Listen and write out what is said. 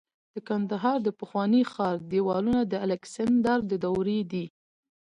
د کندهار د پخواني ښار دیوالونه د الکسندر دورې دي